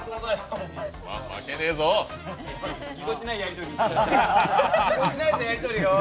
ぎこちないやりとり。